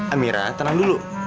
amira tenang dulu